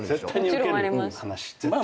もちろんあります。